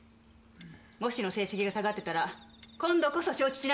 模試の成績が下がってたら今度こそ承知しないからね。